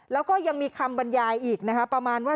แล้วก็ยังมีคำบรรยายอีกนะคะประมาณว่า